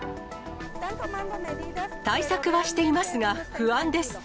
対策はしていますが、不安です。